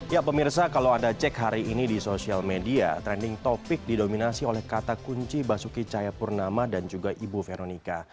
ya pemirsa kalau anda cek hari ini di sosial media trending topic didominasi oleh kata kunci basuki cahayapurnama dan juga ibu veronica